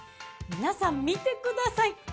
皆さん見てください。